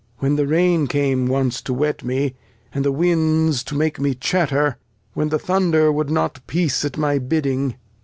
When the Rain came once to wet me, and the Winds to make me chatter ; when the Thunder wou'd not peace at my bidding.